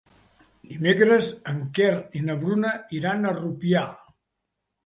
Dimecres en Quer i na Bruna iran a Rupià.